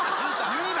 言うな。